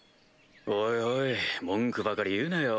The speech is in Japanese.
おいおい文句ばかり言うなよ